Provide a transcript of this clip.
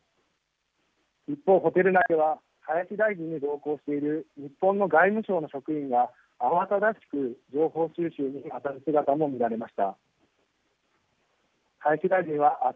一方ホテル内では林大臣に同行している日本の外務省職員が慌ただしく情報収集にあたる姿も見られました。